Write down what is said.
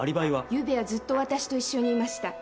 ゆうべはずっとわたしと一緒にいました。